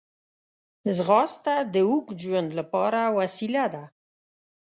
ځغاسته د اوږد ژوند لپاره وسیله ده